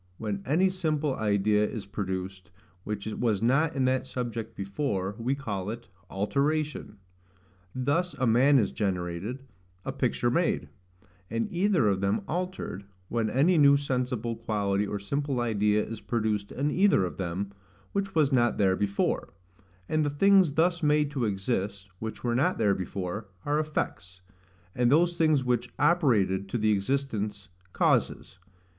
When any simple idea is produced, which was not in that subject before, we call it ALTERATION. Thus a man is generated, a picture made; and either of them altered, when any new sensible quality or simple idea is produced in either of them, which was not there before: and the things thus made to exist, which were not there before, are effects; and those things which operated to the existence, causes.